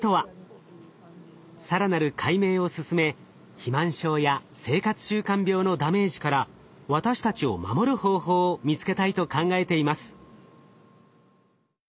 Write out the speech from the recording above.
更なる解明を進め肥満症や生活習慣病のダメージから私たちを守る方法を見つけたいと考えています。